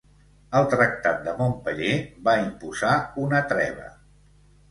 El tractat de Montpeller va imposar una treva.